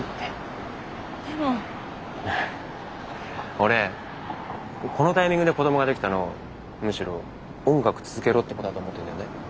俺このタイミングで子どもができたのむしろ音楽続けろってことだと思ってるんだよね。